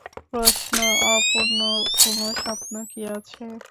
প্রশ্ন অপূর্ণ কোনো স্বপ্ন কি আছে?